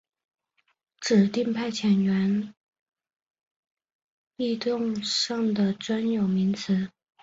指定派遣球员异动上的专有名词。